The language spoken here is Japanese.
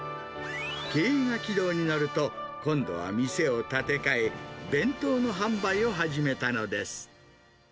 経営が軌道に乗ると、今度は店を建て替え、弁当の販売を始めたのです。